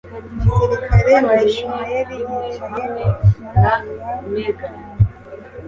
umusirikare wa ishimayeli, yicaye kuri aya matongo